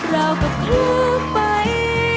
เราก็คลุกไป